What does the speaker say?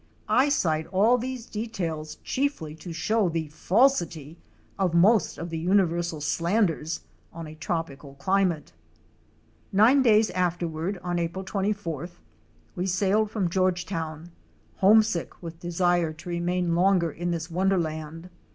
I cite all these details chiefly to show the falsity of most of the universal slanders on a tropical climate. Nine days afterward on April 24th, we sailed from George town, homesick with desire to remain longer in this wonder land.